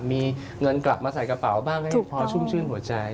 มีเงินกลับมาใส่กระเป๋าบ้างให้พอชุ่มชื่นหัวใจ